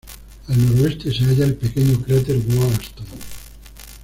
Al noroeste se halla el pequeño cráter Wollaston.